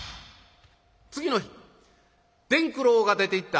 次の日伝九郎が出ていった